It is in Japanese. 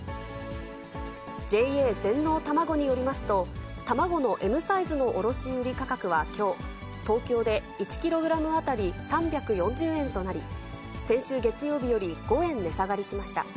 ＪＡ全農たまごによりますと、卵のＭサイズの卸売価格はきょう、東京で１キログラム当たり３４０円となり、先週月曜日より５円値下がりしました。